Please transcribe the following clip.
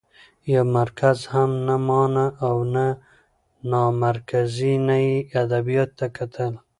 يو مرکز هم نه مانه او له نامرکزۍ نه يې ادبياتو ته کتل؛